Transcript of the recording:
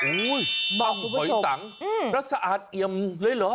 ต้มหอยสังแล้วสะอาดเอี่ยมเลยเหรอ